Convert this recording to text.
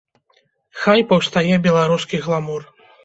Хай паўстае беларускі гламур.